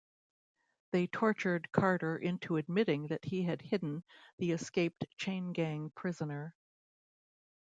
They tortured Carter into admitting that he had hidden the escaped chain gang prisoner.